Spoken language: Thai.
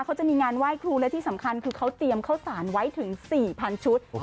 เขาจะมีงานไหว้ครูและที่สำคัญคือเขาเตรียมข้าวสารไว้ถึง๔๐๐ชุด